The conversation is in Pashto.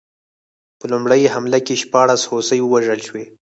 په لومړۍ حمله کې شپاړس هوسۍ ووژل شوې.